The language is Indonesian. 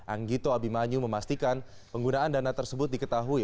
anggito abimanyu memastikan penggunaan dana tersebut diketahui